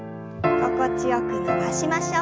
心地よく伸ばしましょう。